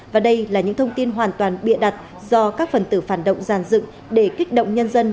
và đây là những thông tin hoàn toàn bịa đặt do các phần tử phản động giàn dựng để kích động nhân dân